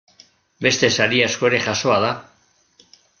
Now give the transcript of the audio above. Beste sari asko ere jasoa da.